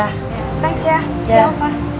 thanks ya siap fah